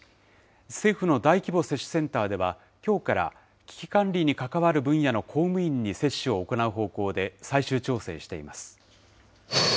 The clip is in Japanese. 政府の大規模接種センターでは、きょうから危機管理に関わる分野の公務員に接種を行う方向で最終調整しています。